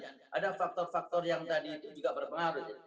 ada faktor faktor yang tadi itu juga berpengaruh